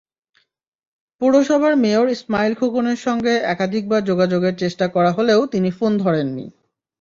পৌরসভার মেয়র ইসমাইল খোকনের সঙ্গে একাধিকবার যোগাযোগের চেষ্টা করা হলেও তিনি ফোন ধরেননি।